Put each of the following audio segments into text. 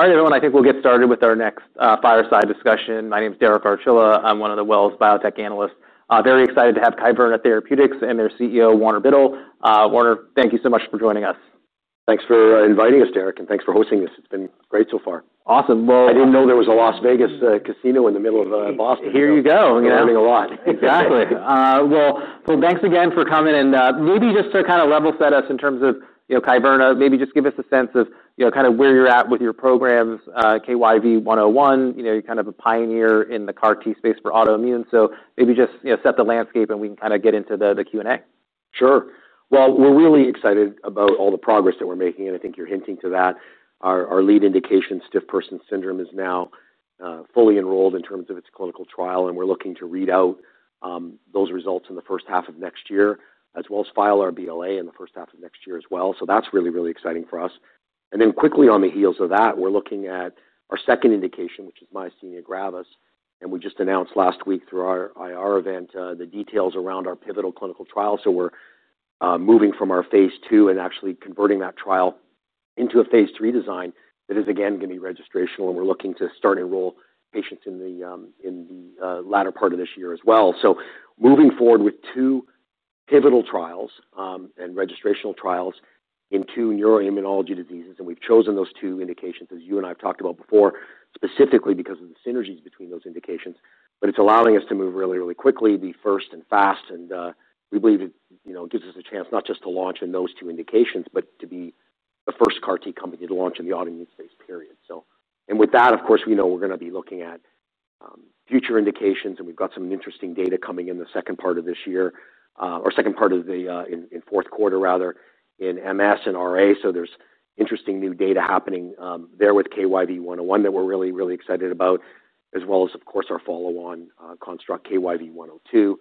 Hi everyone, I think we'll get started with our next fireside discussion. My name is Derek Archila. I'm one of the Wells Fargo Biotech Analysts. Very excited to have Kyverna Therapeutics and their CEO, Warner Biddle. Warner, thank you so much for joining us. Thanks for inviting us, Derek, and thanks for hosting this. It's been great so far. Awesome. Well. I didn't know there was a Las Vegas casino in the middle of Boston. Here you go. I'm learning a lot. Exactly. Well, thanks again for coming. And maybe just to kind of level set us in terms of Kyverna, maybe just give us a sense of kind of where you're at with your programs, KYV-101. You're kind of a pioneer in the CAR T space for autoimmune. So maybe just set the landscape and we can kind of get into the Q&A. Sure. Well, we're really excited about all the progress that we're making, and I think you're hinting to that. Our lead indication, stiff person syndrome, is now fully enrolled in terms of its clinical trial, and we're looking to read out those results in the first half of next year, as well as file our BLA in the first half of next year as well. So that's really, really exciting for us. And then quickly on the heels of that, we're looking at our second indication, which is myasthenia gravis. And we just announced last week through our IR event the details around our pivotal clinical trial. So we're moving from our phase two and actually converting that trial into a phase three design that is again going to be registrational, and we're looking to start enroll patients in the latter part of this year as well. Moving forward with two pivotal trials and registrational trials in two neuroimmunology diseases. We've chosen those two indications, as you and I have talked about before, specifically because of the synergies between those indications. It's allowing us to move really, really quickly, be first and fast. We believe it gives us a chance not just to launch in those two indications, but to be the first CAR T company to launch in the autoimmune space, period. With that, of course, we know we're going to be looking at future indications, and we've got some interesting data coming in the second part of this year, or second part of the fourth quarter, rather, in MS and RA. There's interesting new data happening there with KYV-101 that we're really, really excited about, as well as, of course, our follow-on construct KYV-102,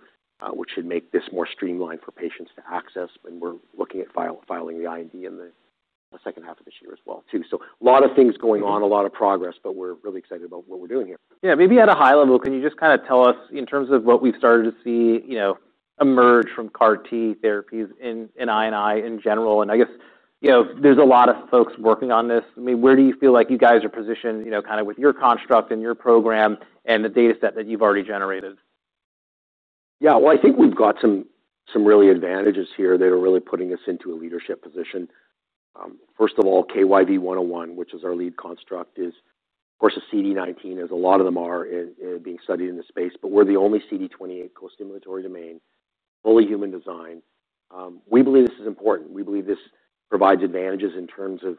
which should make this more streamlined for patients to access. We're looking at filing the IND in the second half of this year as well, too. A lot of things going on, a lot of progress, but we're really excited about what we're doing here. Yeah. Maybe at a high level, can you just kind of tell us in terms of what we've started to see emerge from CAR T therapies in autoimmunity in general? And I guess there's a lot of folks working on this. I mean, where do you feel like you guys are positioned kind of with your construct and your program and the data set that you've already generated? Yeah. Well, I think we've got some real advantages here that are really putting us into a leadership position. First of all, KYV-101, which is our lead construct, is, of course, a CD19, as a lot of them are being studied in the space. But we're the only CD28 co-stimulatory domain, fully human design. We believe this is important. We believe this provides advantages in terms of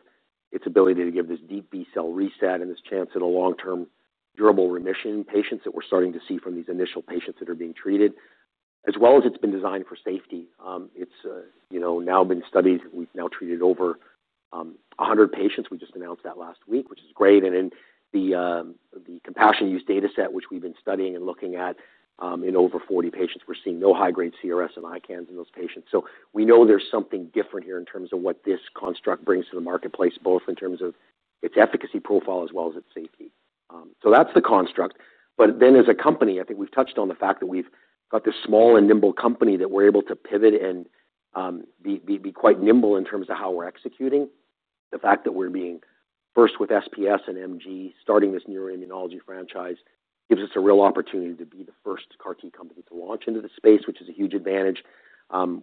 its ability to give this deep B cell reset and this chance at a long-term durable remission in patients that we're starting to see from these initial patients that are being treated, as well as it's been designed for safety. It's now been studied. We've now treated over 100 patients. We just announced that last week, which is great. And then the compassionate use data set, which we've been studying and looking at in over 40 patients, we're seeing no high-grade CRS and ICANS in those patients. So we know there's something different here in terms of what this construct brings to the marketplace, both in terms of its efficacy profile as well as its safety. So that's the construct. But then as a company, I think we've touched on the fact that we've got this small and nimble company that we're able to pivot and be quite nimble in terms of how we're executing. The fact that we're being first with SPS and MG starting this neuroimmunology franchise gives us a real opportunity to be the first CAR T company to launch into the space, which is a huge advantage.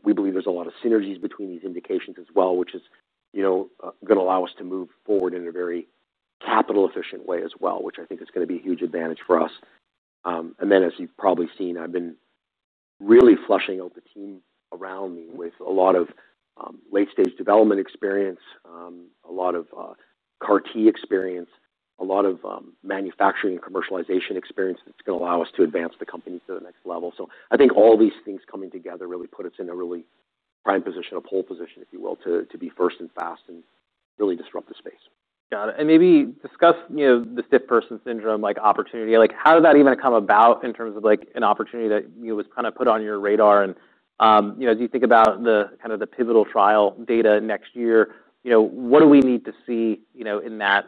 We believe there's a lot of synergies between these indications as well, which is going to allow us to move forward in a very capital-efficient way as well, which I think is going to be a huge advantage for us. And then, as you've probably seen, I've been really fleshing out the team around me with a lot of late-stage development experience, a lot of CAR T experience, a lot of manufacturing and commercialization experience that's going to allow us to advance the company to the next level. So I think all these things coming together really put us in a really prime position, a pole position, if you will, to be first and fast and really disrupt the space. Got it. And maybe discuss the stiff person syndrome opportunity. How did that even come about in terms of an opportunity that was kind of put on your radar? And as you think about kind of the pivotal trial data next year, what do we need to see in that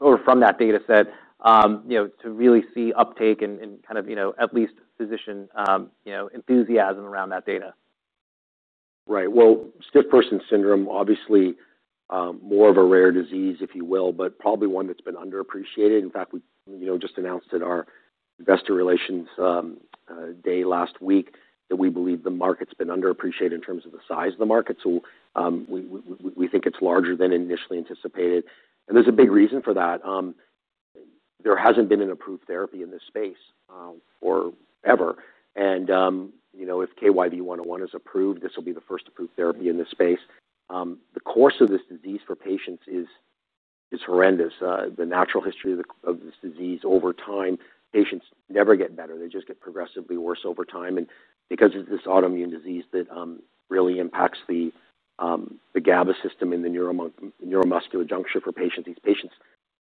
or from that data set to really see uptake and kind of at least physician enthusiasm around that data? Right. Well, Stiff Person Syndrome, obviously more of a rare disease, if you will, but probably one that's been underappreciated. In fact, we just announced at our investor relations day last week that we believe the market's been underappreciated in terms of the size of the market. So we think it's larger than initially anticipated. And there's a big reason for that. There hasn't been an approved therapy in this space forever. And if KYV-101 is approved, this will be the first approved therapy in this space. The course of this disease for patients is horrendous. The natural history of this disease over time, patients never get better. They just get progressively worse over time. And because it's this autoimmune disease that really impacts the GABA system in the neuromuscular junction for patients, these patients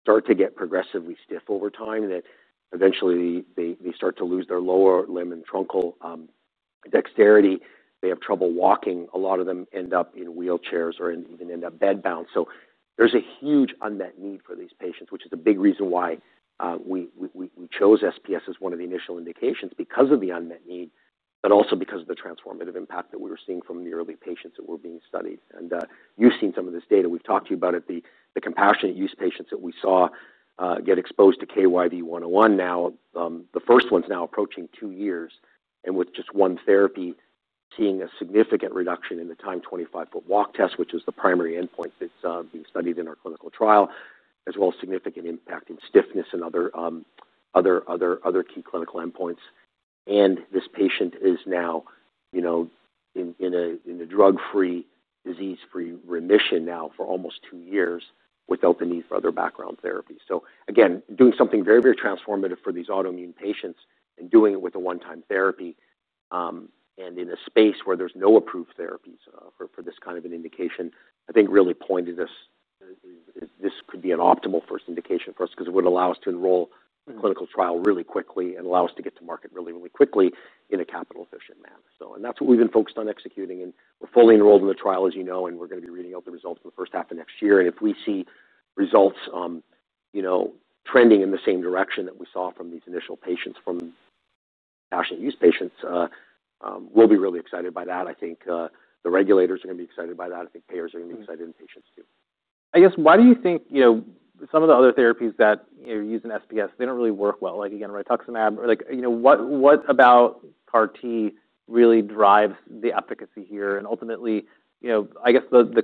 start to get progressively stiff over time, that eventually they start to lose their lower limb and truncal dexterity. They have trouble walking. A lot of them end up in wheelchairs or even end up bedbound. So there's a huge unmet need for these patients, which is a big reason why we chose SPS as one of the initial indications because of the unmet need, but also because of the transformative impact that we were seeing from the early patients that were being studied. And you've seen some of this data. We've talked to you about it. The compassionate use patients that we saw get exposed to KYV-101 now, the first one's now approaching two years. With just one therapy, seeing a significant reduction in the Timed 25-Foot Walk test, which was the primary endpoint that's being studied in our clinical trial, as well as significant impact in stiffness and other key clinical endpoints. This patient is now in a drug-free, disease-free remission now for almost two years without the need for other background therapy. Again, doing something very, very transformative for these autoimmune patients and doing it with a one-time therapy and in a space where there's no approved therapies for this kind of an indication, I think really pointed us this could be an optimal first indication for us because it would allow us to enroll in a clinical trial really quickly and allow us to get to market really, really quickly in a capital-efficient manner. That's what we've been focused on executing. We're fully enrolled in the trial, as you know, and we're going to be reading out the results in the first half of next year. If we see results trending in the same direction that we saw from these initial patients, from compassionate use patients, we'll be really excited by that. I think the regulators are going to be excited by that. I think payers are going to be excited and patients too. I guess, why do you think some of the other therapies that use an SPS, they don't really work well? Like again, Rituximab, what about CAR T really drives the efficacy here? And ultimately, I guess the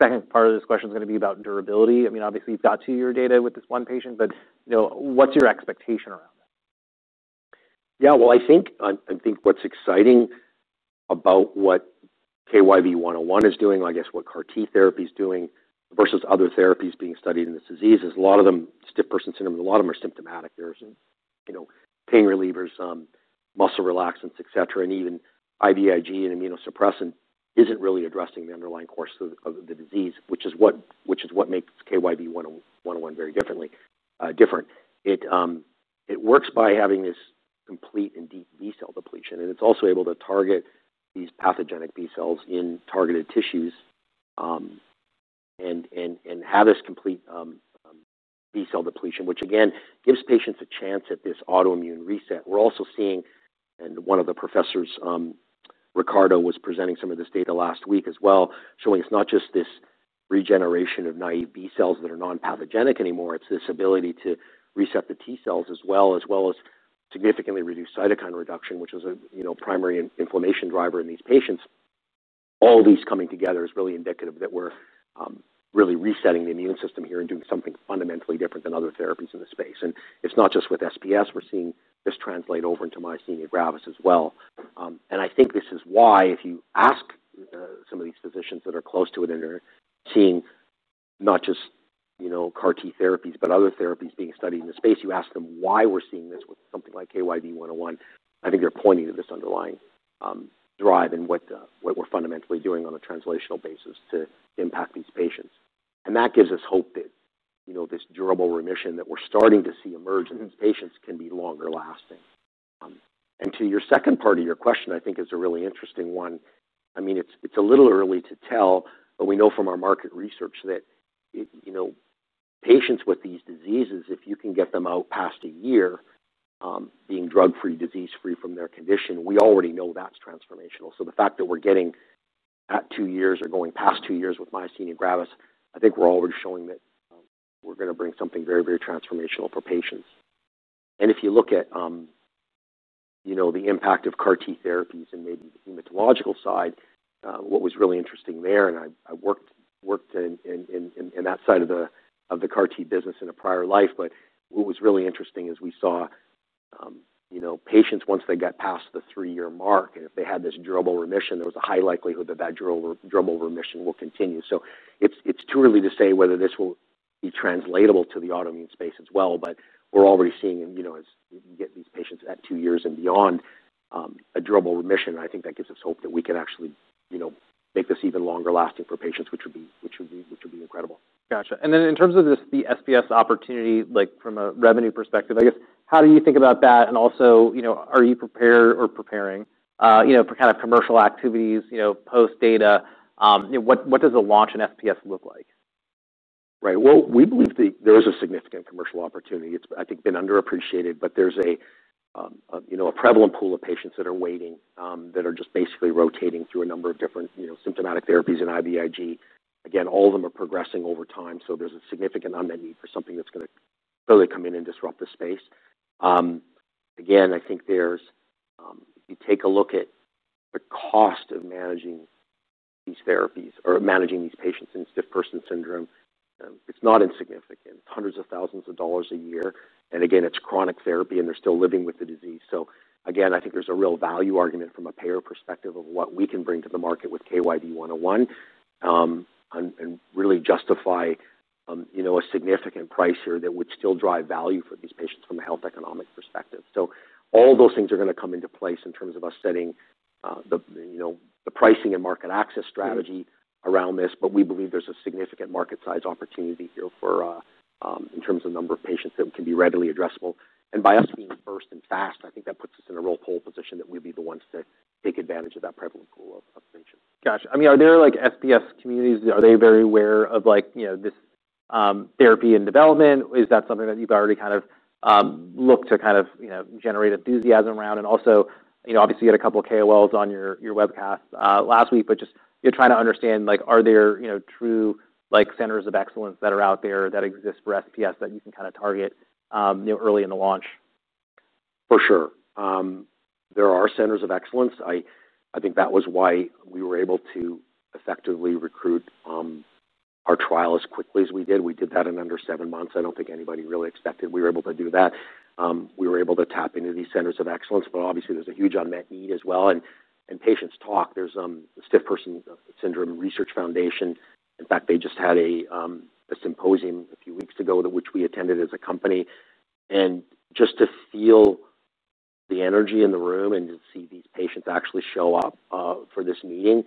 second part of this question is going to be about durability. I mean, obviously, you've got two-year data with this one patient, but what's your expectation around that? Yeah. Well, I think what's exciting about what KYV-101 is doing, I guess what CAR T therapy is doing versus other therapies being studied in this disease, is a lot of them stiff person syndrome, a lot of them are symptomatic. There's pain relievers, muscle relaxants, etc. And even IVIG and immunosuppressant isn't really addressing the underlying course of the disease, which is what makes KYV-101 very different. It works by having this complete and deep B cell depletion. And it's also able to target these pathogenic B cells in targeted tissues and have this complete B-cell depletion, which again gives patients a chance at this autoimmune reset. We're also seeing, and one of the professors, Ricardo, was presenting some of this data last week as well, showing it's not just this regeneration of naive B-cells that are non-pathogenic anymore. It's this ability to reset the T-cells as well, as well as significantly reduce cytokine reduction, which is a primary inflammation driver in these patients. All these coming together is really indicative that we're really resetting the immune system here and doing something fundamentally different than other therapies in the space. It's not just with SPS. We're seeing this translate over into myasthenia gravis as well. I think this is why if you ask some of these physicians that are close to it and are seeing not just CAR T therapies, but other therapies being studied in the space, you ask them why we're seeing this with something like KYV-101, they're pointing to this underlying drive and what we're fundamentally doing on a translational basis to impact these patients. And that gives us hope that this durable remission that we're starting to see emerge in these patients can be longer lasting. And to your second part of your question, I think is a really interesting one. I mean, it's a little early to tell, but we know from our market research that patients with these diseases, if you can get them out past a year being drug-free, disease-free from their condition, we already know that's transformational. So the fact that we're getting at two years or going past two years with myasthenia gravis, I think we're already showing that we're going to bring something very, very transformational for patients. If you look at the impact of CAR T therapies and maybe the hematological side, what was really interesting there, and I worked in that side of the CAR T business in a prior life, but what was really interesting is we saw patients once they got past the three-year mark, and if they had this durable remission, there was a high likelihood that that durable remission will continue. It's too early to say whether this will be translatable to the autoimmune space as well. We're already seeing as we can get these patients at two years and beyond a durable remission. I think that gives us hope that we can actually make this even longer lasting for patients, which would be incredible. Gotcha. And then in terms of the SPS opportunity from a revenue perspective, I guess, how do you think about that? And also, are you prepared or preparing for kind of commercial activities post-data? What does a launch in SPS look like? Right. Well, we believe there is a significant commercial opportunity. It's, I think, been underappreciated, but there's a prevalent pool of patients that are waiting that are just basically rotating through a number of different symptomatic therapies and IVIG. Again, all of them are progressing over time. So there's a significant unmet need for something that's going to clearly come in and disrupt the space. Again, I think if you take a look at the cost of managing these therapies or managing these patients in Stiff Person Syndrome, it's not insignificant. $100s of 1000s a year. And again, it's chronic therapy, and they're still living with the disease. So again, I think there's a real value argument from a payer perspective of what we can bring to the market with KYV-101 and really justify a significant price here that would still drive value for these patients from a health economic perspective. So all those things are going to come into place in terms of us setting the pricing and market access strategy around this. But we believe there's a significant market size opportunity here in terms of the number of patients that can be readily addressable. And by us being first and fast, I think that puts us in a real pole position that we'd be the ones to take advantage of that prevalent pool of patients. Gotcha. I mean, are there SPS communities? Are they very aware of this therapy and development? Is that something that you've already kind of looked to kind of generate enthusiasm around? And also, obviously, you had a couple of KOLs on your webcast last week, but just trying to understand, are there true centers of excellence that are out there that exist for SPS that you can kind of target early in the launch? For sure. There are centers of excellence. I think that was why we were able to effectively recruit our trial as quickly as we did. We did that in under seven months. I don't think anybody really expected we were able to do that. We were able to tap into these centers of excellence, but obviously, there's a huge unmet need as well, and patients talk. There's the Stiff Person Syndrome Research Foundation. In fact, they just had a symposium a few weeks ago which we attended as a company. And just to feel the energy in the room and to see these patients actually show up for this meeting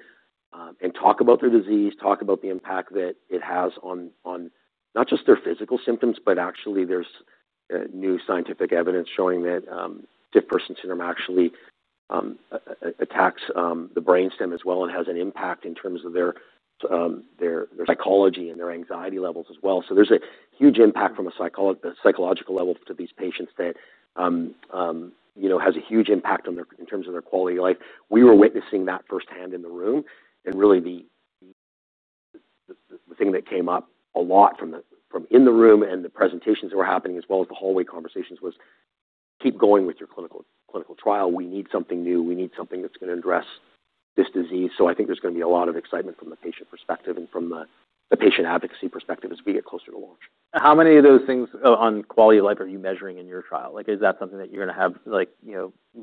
and talk about their disease, talk about the impact that it has on not just their physical symptoms, but actually there's new scientific evidence showing that Stiff Person Syndrome actually attacks the brainstem as well and has an impact in terms of their psychology and their anxiety levels as well. So there's a huge impact from a psychological level to these patients that has a huge impact in terms of their quality of life. We were witnessing that firsthand in the room. And really, the thing that came up a lot from in the room and the presentations that were happening as well as the hallway conversations was, "Keep going with your clinical trial. We need something new. We need something that's going to address this disease." So I think there's going to be a lot of excitement from the patient perspective and from the patient advocacy perspective as we get closer to launch. How many of those things on quality of life are you measuring in your trial? Is that something that you're going to have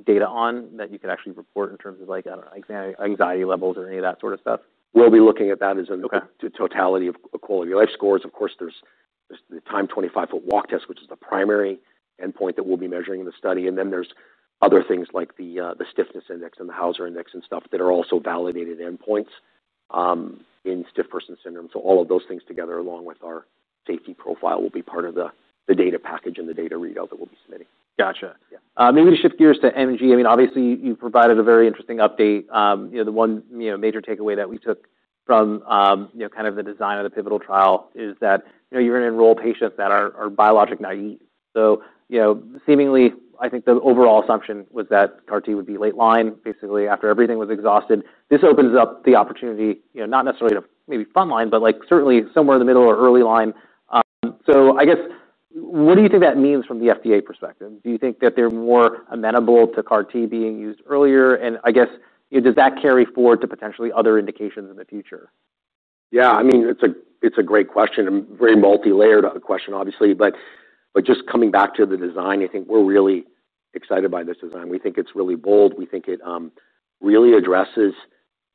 data on that you can actually report in terms of, I don't know, anxiety levels or any of that sort of stuff? We'll be looking at that as a totality of quality of life scores. Of course, there's the Timed 25-Foot Walk test, which is the primary endpoint that we'll be measuring in the study, and then there's other things like the Stiffness Index and the Hauser index and stuff that are also validated endpoints in Stiff Person Syndrome. All of those things together, along with our safety profile, will be part of the data package and the data readout that we'll be submitting. Gotcha. Maybe to shift gears to MG, I mean, obviously, you provided a very interesting update. The one major takeaway that we took from kind of the design of the pivotal trial is that you're going to enroll patients that are biologically naive. So seemingly, I think the overall assumption was that CAR T would be late line, basically after everything was exhausted. This opens up the opportunity, not necessarily to maybe front line, but certainly somewhere in the middle or early line. So I guess, what do you think that means from the FDA perspective? Do you think that they're more amenable to CAR T being used earlier? And I guess, does that carry forward to potentially other indications in the future? Yeah. I mean, it's a great question and very multi-layered question, obviously. But just coming back to the design, I think we're really excited by this design. We think it's really bold. We think it really addresses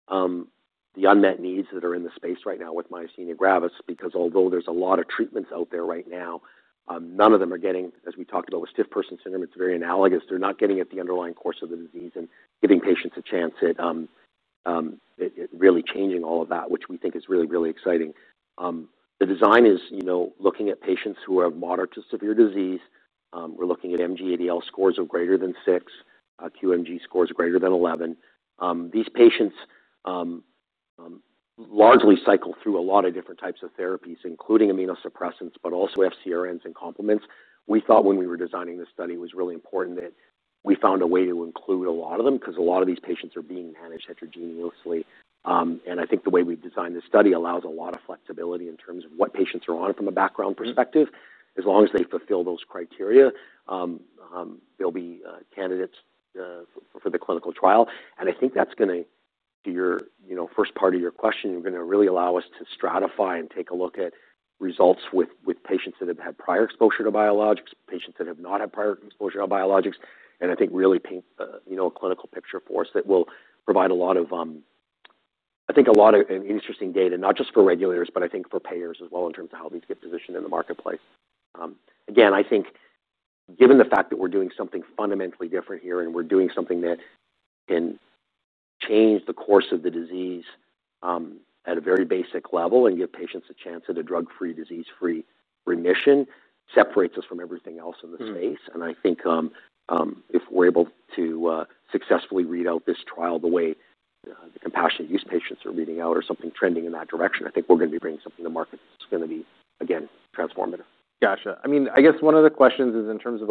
the unmet needs that are in the space right now with myasthenia gravis because although there's a lot of treatments out there right now, none of them are getting, as we talked about with Stiff Person Syndrome, it's very analogous. They're not getting at the underlying cause of the disease and giving patients a chance at really changing all of that, which we think is really, really exciting. The design is looking at patients who have moderate to severe disease. We're looking at MG-ADL scores of greater than six, QMG scores greater than 11. These patients largely cycle through a lot of different types of therapies, including immunosuppressants, but also FcRns and complements. We thought when we were designing this study, it was really important that we found a way to include a lot of them because a lot of these patients are being managed heterogeneously, and I think the way we've designed this study allows a lot of flexibility in terms of what patients are on from a background perspective. As long as they fulfill those criteria, they'll be candidates for the clinical trial, and I think that's going to your first part of your question, you're going to really allow us to stratify and take a look at results with patients that have had prior exposure to biologics, patients that have not had prior exposure to biologics. And I think really paint a clinical picture for us that will provide a lot of, I think a lot of interesting data, not just for regulators, but I think for payers as well in terms of how these get positioned in the marketplace. Again, I think given the fact that we're doing something fundamentally different here and we're doing something that can change the course of the disease at a very basic level and give patients a chance at a drug-free, disease-free remission, separates us from everything else in the space. And I think if we're able to successfully read out this trial the way the compassionate use patients are reading out or something trending in that direction, I think we're going to be bringing something to market that's going to be, again, transformative. Gotcha. I mean, I guess one of the questions is in terms of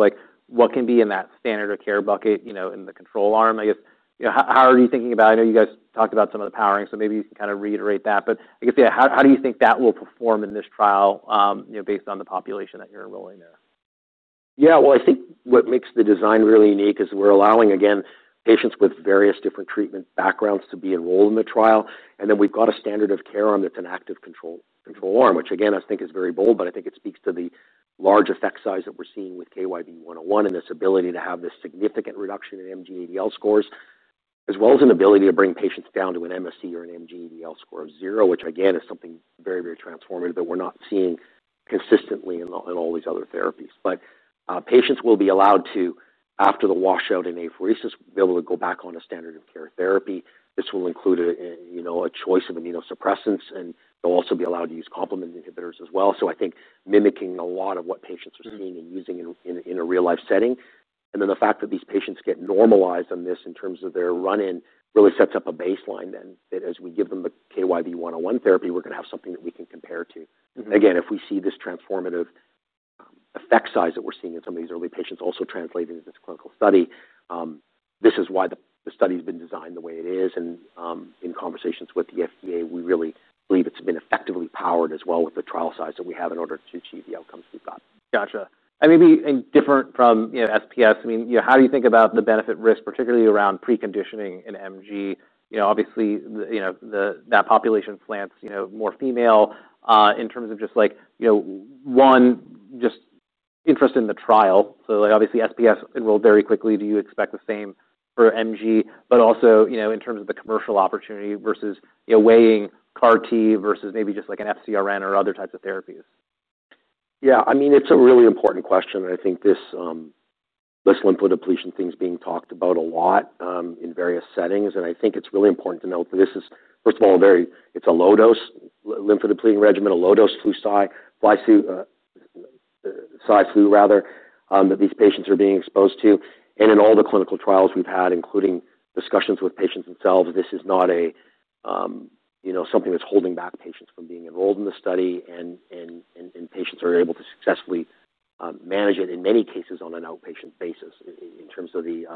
what can be in that standard of care bucket in the control arm, I guess, how are you thinking about it? I know you guys talked about some of the powering, so maybe you can kind of reiterate that. But I guess, yeah, how do you think that will perform in this trial based on the population that you're enrolling there? Yeah. Well, I think what makes the design really unique is we're allowing, again, patients with various different treatment backgrounds to be enrolled in the trial. And then we've got a standard of care arm that's an active control arm, which again, I think is very bold, but I think it speaks to the large effect size that we're seeing with KYV-101 and this ability to have this significant reduction in MG-ADL scores, as well as an ability to bring patients down to an MSE or an MG-ADL score of zero, which again is something very, very transformative that we're not seeing consistently in all these other therapies. But patients will be allowed to, after the washout in apheresis, be able to go back on a standard of care therapy. This will include a choice of immunosuppressants, and they'll also be allowed to use complement inhibitors as well, so I think mimicking a lot of what patients are seeing and using in a real-life setting, and then the fact that these patients get normalized on this in terms of their run-in really sets up a baseline then that as we give them the KYV-101 therapy, we're going to have something that we can compare to. Again, if we see this transformative effect size that we're seeing in some of these early patients also translated into this clinical study, this is why the study has been designed the way it is, and in conversations with the FDA, we really believe it's been effectively powered as well with the trial size that we have in order to achieve the outcomes we've got. Gotcha. And maybe different from SPS, I mean, how do you think about the benefit risk, particularly around preconditioning in MG? Obviously, that population slants more female in terms of just an interest in the trial. So obviously, SPS enrolled very quickly. Do you expect the same for MG, but also in terms of the commercial opportunity vs weighing CAR T vs maybe just like an FcRn or other types of therapies? Yeah. I mean, it's a really important question. I think this lymphodepletion thing is being talked about a lot in various settings. And I think it's really important to note that this is, first of all, it's a low-dose lymphodepleting regimen, a low-dose Flu rather that these patients are being exposed to. And in all the clinical trials we've had, including discussions with patients themselves, this is not something that's holding back patients from being enrolled in the study. And patients are able to successfully manage it in many cases on an outpatient basis in terms of the.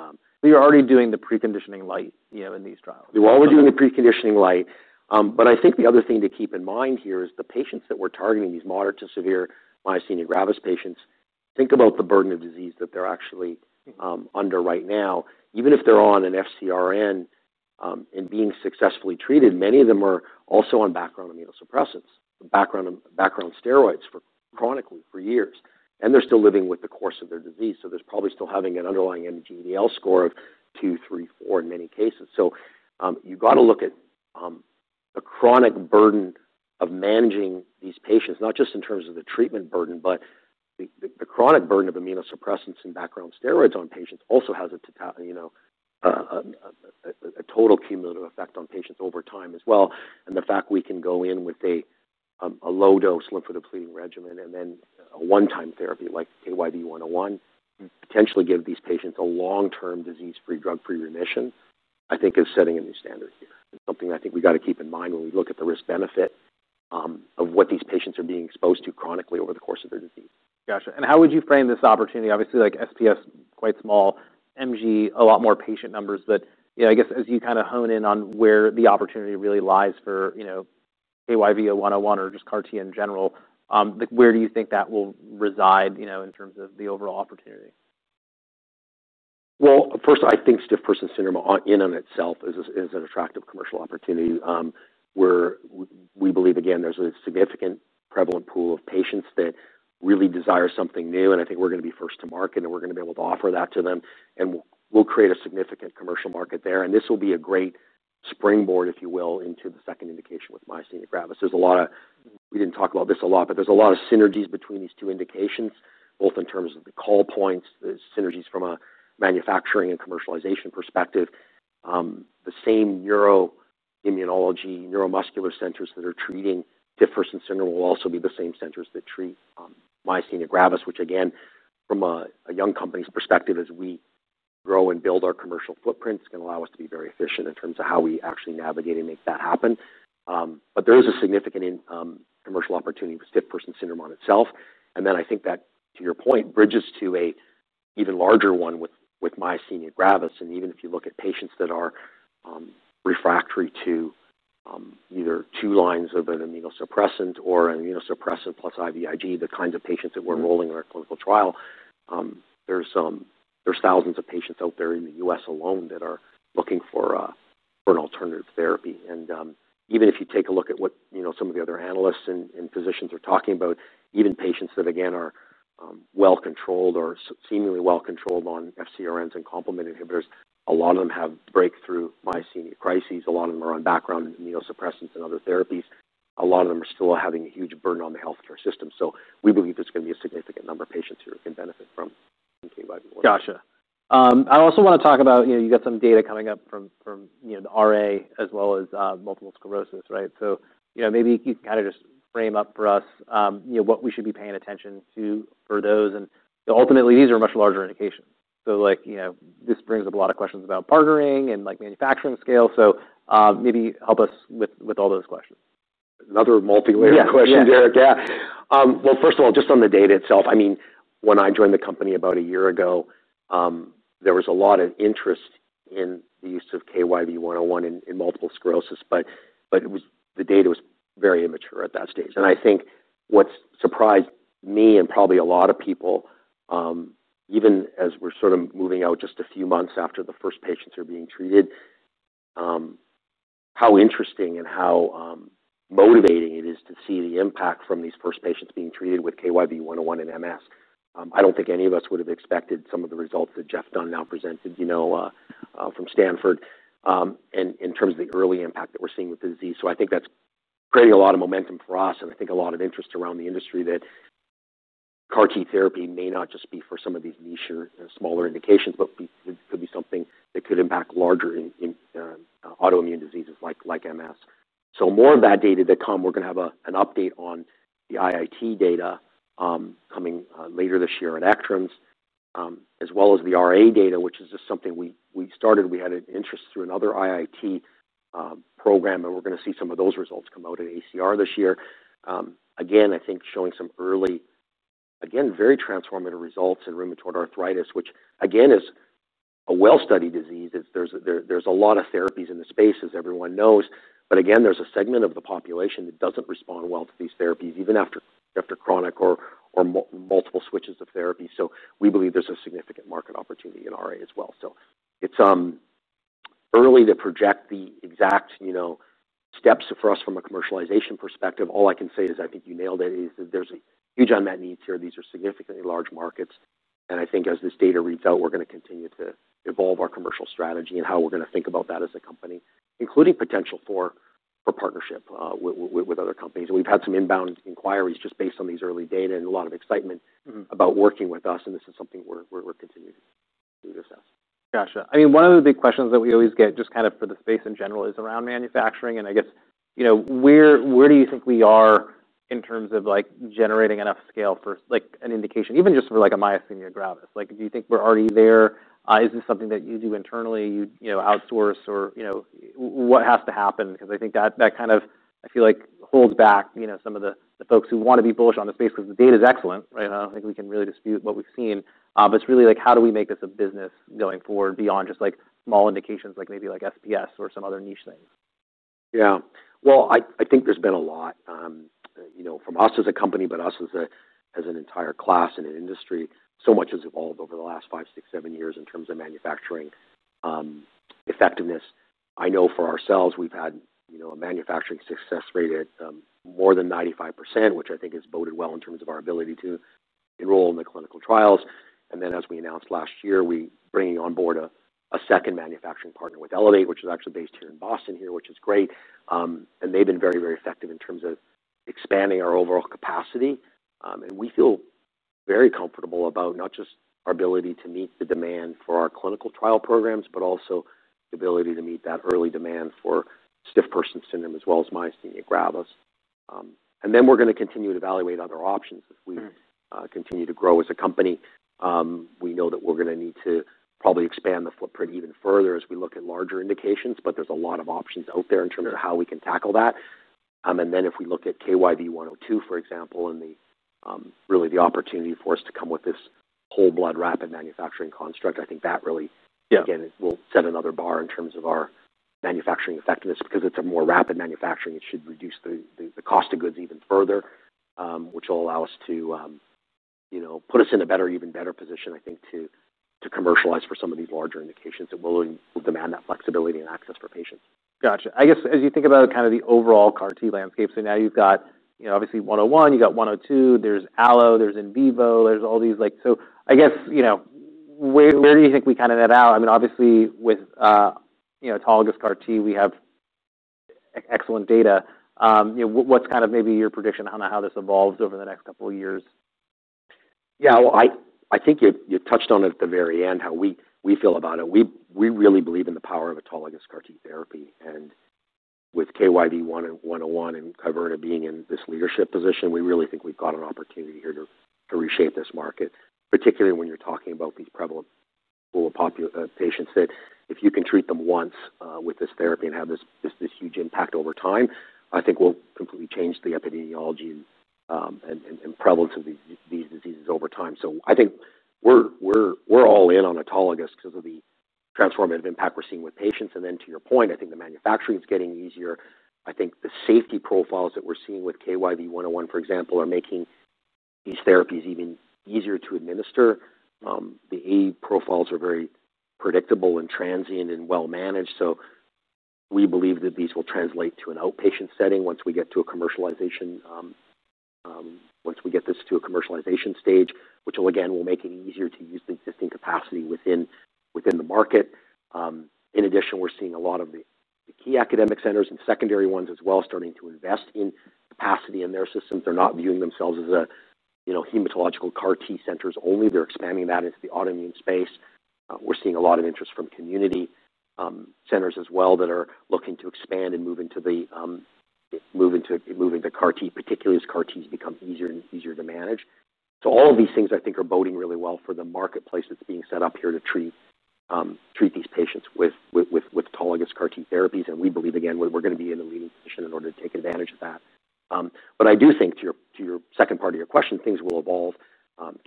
You're already doing the preconditioning lightly in these trials. We're already doing the preconditioning light. But I think the other thing to keep in mind here is the patients that we're targeting, these moderate to severe myasthenia gravis patients, think about the burden of disease that they're actually under right now. Even if they're on an FcRn and being successfully treated, many of them are also on background immunosuppressants, background steroids chronically for years. And they're still living with the course of their disease. So they're probably still having an underlying MG-ADL score of two, three, four in many cases. So you've got to look at the chronic burden of managing these patients, not just in terms of the treatment burden, but the chronic burden of immunosuppressants and background steroids on patients also has a total cumulative effect on patients over time as well. The fact we can go in with a low-dose lymphodepleting regimen and then a one-time therapy like KYV-101, potentially give these patients a long-term disease-free, drug-free remission, I think is setting a new standard here. It's something I think we've got to keep in mind when we look at the risk-benefit of what these patients are being exposed to chronically over the course of their disease. Gotcha. And how would you frame this opportunity? Obviously, SPS, quite small, MG, a lot more patient numbers. But I guess as you kind of hone in on where the opportunity really lies for KYV-101 or just CAR T in general, where do you think that will reside in terms of the overall opportunity? First, I think Stiff Person Syndrome in and of itself is an attractive commercial opportunity. We believe, again, there's a significant prevalent pool of patients that really desire something new, and I think we're going to be first to market, and we're going to be able to offer that to them, and we'll create a significant commercial market there, and this will be a great springboard, if you will, into the second indication with myasthenia gravis. There's a lot of, we didn't talk about this a lot, but there's a lot of synergies between these two indications, both in terms of the call points, the synergies from a manufacturing and commercialization perspective. The same neuroimmunology, neuromuscular centers that are treating Stiff Person Syndrome will also be the same centers that treat myasthenia gravis, which again, from a young company's perspective, as we grow and build our commercial footprint, it's going to allow us to be very efficient in terms of how we actually navigate and make that happen. But there is a significant commercial opportunity for stiff person syndrome on itself. And then I think that, to your point, bridges to an even larger one with myasthenia gravis. And even if you look at patients that are refractory to either two lines of an immunosuppressant or an immunosuppressant + IVIG, the kinds of patients that we're enrolling in our clinical trial, there's 1000s of patients out there in the U.S. alone that are looking for an alternative therapy. And even if you take a look at what some of the other analysts and physicians are talking about, even patients that, again, are well-controlled or seemingly well-controlled on FcRns and complement inhibitors, a lot of them have breakthrough myasthenia crises. A lot of them are on background immunosuppressants and other therapies. A lot of them are still having a huge burden on the healthcare system. So we believe there's going to be a significant number of patients who can benefit from KYV-101. Gotcha. I also want to talk about you've got some data coming up from the RA as well as multiple sclerosis, right? So maybe you can kind of just frame up for us what we should be paying attention to for those. And ultimately, these are much larger indications. So this brings up a lot of questions about partnering and manufacturing scale. So maybe help us with all those questions. Another multi-layered question, Derek. Yeah. Well, first of all, just on the data itself, I mean, when I joined the company about a year ago, there was a lot of interest in the use of KYV-101 in multiple sclerosis, but the data was very immature at that stage. And I think what's surprised me and probably a lot of people, even as we're sort of moving out just a few months after the first patients are being treated, how interesting and how motivating it is to see the impact from these first patients being treated with KYV-101 and MS. I don't think any of us would have expected some of the results that Jeff Dunn now presented from Stanford in terms of the early impact that we're seeing with the disease. So I think that's creating a lot of momentum for us. And I think a lot of interest around the industry that CAR T therapy may not just be for some of these nicher, smaller indications, but could be something that could impact larger autoimmune diseases like MS. So more of that data to come. We're going to have an update on the IIT data coming later this year at ECTRIMS, as well as the RA data, which is just something we started. We had an interest through another IIT program, and we're going to see some of those results come out at ACR this year. Again, I think showing some early, again, very transformative results in rheumatoid arthritis, which again is a well-studied disease. There's a lot of therapies in the space, as everyone knows. But again, there's a segment of the population that doesn't respond well to these therapies, even after chronic or multiple switches of therapy. So we believe there's a significant market opportunity in RA as well. So it's early to project the exact steps for us from a commercialization perspective. All I can say is I think you nailed it, is that there's a huge unmet needs here. These are significantly large markets. And I think as this data reads out, we're going to continue to evolve our commercial strategy and how we're going to think about that as a company, including potential for partnership with other companies. And we've had some inbound inquiries just based on these early data and a lot of excitement about working with us. And this is something we're continuing to assess. Gotcha. I mean, one of the big questions that we always get just kind of for the space in general is around manufacturing. And I guess where do you think we are in terms of generating enough scale for an indication, even just for a myasthenia gravis? Do you think we're already there? Is this something that you do internally? You outsource? Or what has to happen? Because I think that kind of, I feel like, holds back some of the folks who want to be bullish on the space because the data is excellent, right? I think we can really dispute what we've seen. But it's really like, how do we make this a business going forward beyond just small indications like maybe like SPS or some other niche things? Yeah. Well, I think there's been a lot from us as a company, but us as an entire class in an industry. So much has evolved over the last five, six, seven years in terms of manufacturing effectiveness. I know for ourselves, we've had a manufacturing success rate at more than 95%, which I think has boded well in terms of our ability to enroll in the clinical trials. And then as we announced last year, we're bringing on board a second manufacturing partner with Elevate, which is actually based here in Boston, which is great. And they've been very, very effective in terms of expanding our overall capacity. And we feel very comfortable about not just our ability to meet the demand for our clinical trial programs, but also the ability to meet that early demand for Stiff Person Syndrome as well as myasthenia gravis. And then we're going to continue to evaluate other options as we continue to grow as a company. We know that we're going to need to probably expand the footprint even further as we look at larger indications, but there's a lot of options out there in terms of how we can tackle that. And then if we look at KYV-102, for example, and really the opportunity for us to come with this whole blood rapid manufacturing construct, I think that really, again, will set another bar in terms of our manufacturing effectiveness. Because it's a more rapid manufacturing, it should reduce the cost of goods even further, which will allow us to put us in a better, even better position, I think, to commercialize for some of these larger indications that will demand that flexibility and access for patients. Gotcha. I guess as you think about kind of the overall CAR T landscape, so now you've got obviously 101, you've got 102, there's ALLO there's in vivo, there's all these. So I guess where do you think we kind of net out? I mean, obviously, with autologous CAR T, we have excellent data. What's kind of maybe your prediction on how this evolves over the next couple of years? Yeah. Well, I think you touched on it at the very end, how we feel about it. We really believe in the power of autologous CAR T therapy. And with KYV-101 and Kyverna being in this leadership position, we really think we've got an opportunity here to reshape this market, particularly when you're talking about these prevalent patients that, if you can treat them once with this therapy and have this huge impact over time, I think will completely change the epidemiology and prevalence of these diseases over time. So I think we're all in on autologous because of the transformative impact we're seeing with patients. And then to your point, I think the manufacturing is getting easier. I think the safety profiles that we're seeing with KYV-101, for example, are making these therapies even easier to administer. The CRS profiles are very predictable and transient and well-managed. So we believe that these will translate to an outpatient setting once we get to a commercialization, once we get this to a commercialization stage, which will, again, make it easier to use the existing capacity within the market. In addition, we're seeing a lot of the key academic centers and secondary ones as well starting to invest in capacity in their systems. They're not viewing themselves as hematological CAR T centers only. They're expanding that into the autoimmune space. We're seeing a lot of interest from community centers as well that are looking to expand and move into CAR T, particularly as CAR Ts become easier and easier to manage. So all of these things, I think, are boding really well for the marketplace that's being set up here to treat these patients with autologous CAR T therapies. We believe, again, we're going to be in the leading position in order to take advantage of that. I do think to your second part of your question, things will evolve.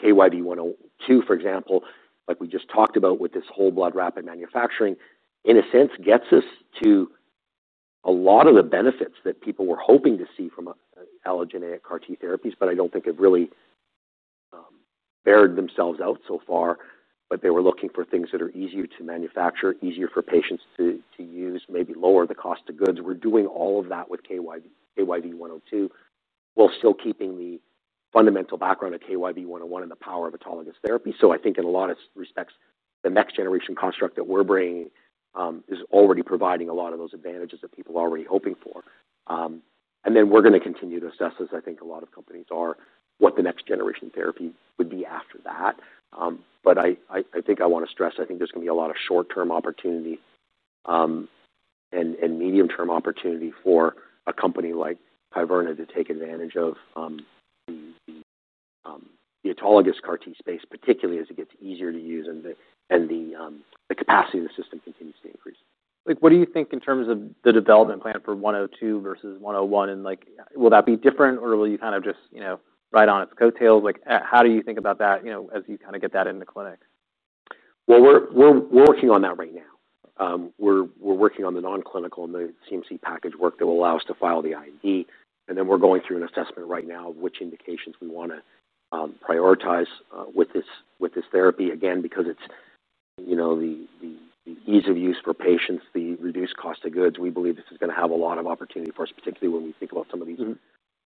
KYV-102, for example, like we just talked about with this whole blood rapid manufacturing, in a sense, gets us to a lot of the benefits that people were hoping to see from allogeneic CAR T therapies, but I don't think have really borne themselves out so far. They were looking for things that are easier to manufacture, easier for patients to use, maybe lower the cost of goods. We're doing all of that with KYV-102, while still keeping the fundamental background of KYV-101 and the power of autologous therapy. So I think in a lot of respects, the next generation construct that we're bringing is already providing a lot of those advantages that people are already hoping for. And then we're going to continue to assess, as I think a lot of companies are, what the next generation therapy would be after that. But I think I want to stress, I think there's going to be a lot of short-term opportunity and medium-term opportunity for a company like Kyverna to take advantage of the autologous CAR T space, particularly as it gets easier to use and the capacity of the system continues to increase. What do you think in terms of the development plan for 102 vs 101? And will that be different, or will you kind of just ride on its coattails? How do you think about that as you kind of get that into clinic? We're working on that right now. We're working on the non-clinical and the CMC package work that will allow us to file the IND. We're going through an assessment right now of which indications we want to prioritize with this therapy. Again, because it's the ease of use for patients, the reduced cost of goods, we believe this is going to have a lot of opportunity for us, particularly when we think about some of these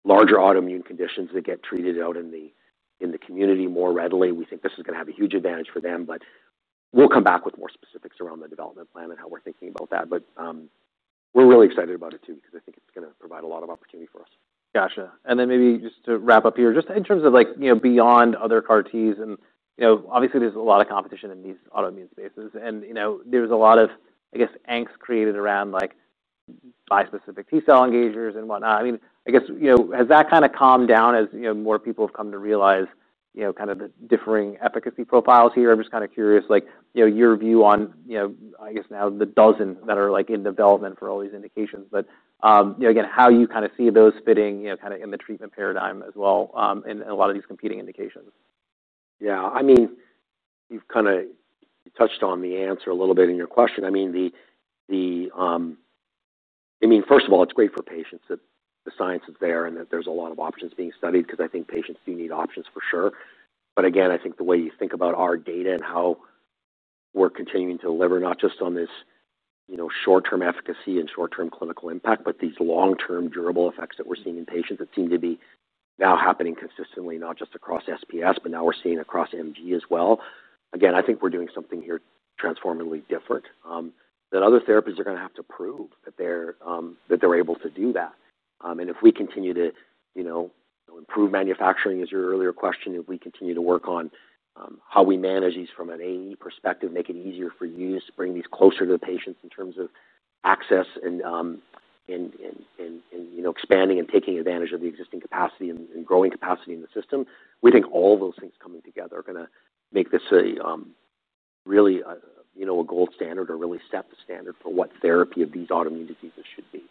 larger autoimmune conditions that get treated out in the community more readily. We think this is going to have a huge advantage for them. We'll come back with more specifics around the development plan and how we're thinking about that. We're really excited about it too because I think it's going to provide a lot of opportunity for us. Gotcha. And then maybe just to wrap up here, just in terms of beyond other CAR Ts, and obviously, there's a lot of competition in these autoimmune spaces. And there's a lot of, I guess, angst created around bispecific T-cell engagers and whatnot. I mean, I guess, has that kind of calmed down as more people have come to realize kind of the differing efficacy profiles here? I'm just kind of curious your view on, I guess, now the dozen that are in development for all these indications, but again, how you kind of see those fitting kind of in the treatment paradigm as well in a lot of these competing indications. Yeah. I mean, you've kind of touched on the answer a little bit in your question. I mean, first of all, it's great for patients that the science is there and that there's a lot of options being studied because I think patients do need options for sure. But again, I think the way you think about our data and how we're continuing to deliver, not just on this short-term efficacy and short-term clinical impact, but these long-term durable effects that we're seeing in patients that seem to be now happening consistently, not just across SPS, but now we're seeing across MG as well. Again, I think we're doing something here transformatively different that other therapies are going to have to prove that they're able to do that. And if we continue to improve manufacturing, as your earlier question, if we continue to work on how we manage these from an AE perspective, make it easier for use, bring these closer to the patients in terms of access and expanding and taking advantage of the existing capacity and growing capacity in the system, we think all of those things coming together are going to make this really a gold standard or really set the standard for what therapy of these autoimmune diseases should be.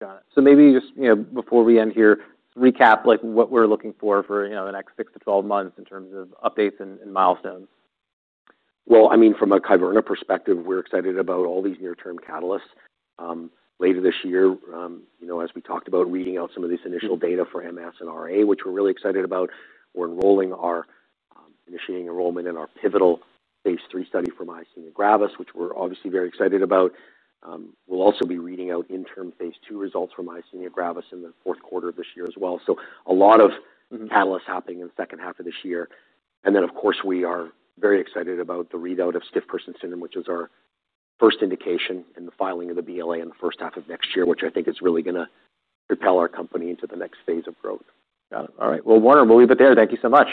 Got it. So maybe just before we end here, recap what we're looking for for the next six to 12 months in terms of updates and milestones. I mean, from a Kyverna perspective, we're excited about all these near-term catalysts. Later this year, as we talked about reading out some of these initial data for MS and RA, which we're really excited about, we're initiating enrollment in our pivotal phase 3 study for myasthenia gravis, which we're obviously very excited about. We'll also be reading out interim phase 2 results from myasthenia gravis in the fourth quarter of this year as well. A lot of catalysts happening in the second half of this year. Of course, we are very excited about the readout of Stiff Person Syndrome, which is our first indication in the filing of the BLA in the first half of next year, which I think is really going to propel our company into the next phase of growth. Got it. All right. Well, Warner, we'll leave it there. Thank you so much.